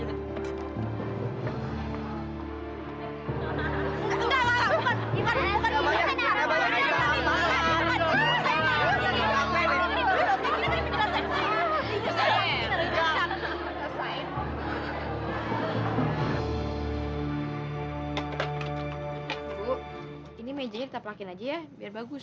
ibu ini meja kita pakai aja ya biar bagus